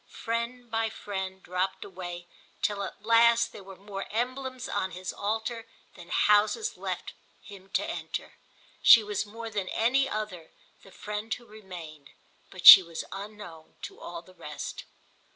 Friend by friend dropped away till at last there were more emblems on his altar than houses left him to enter. She was more than any other the friend who remained, but she was unknown to all the rest.